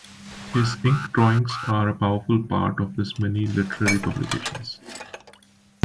His ink drawings are a powerful part of his many literary publications.